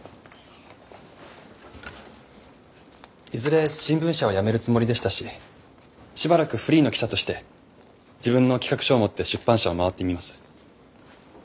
いずれ新聞社は辞めるつもりでしたししばらくフリーの記者として自分の企画書を持って出版社を回ってみます。